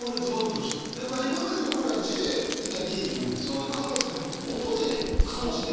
やっぱ今まで僕ら字で見たり考えてたんだけど音で感じてるんだ？